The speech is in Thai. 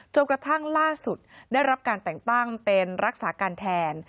กระทั่งล่าสุดได้รับการแต่งตั้งเป็นรักษาการแทน